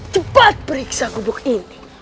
cepat periksa kubuk ini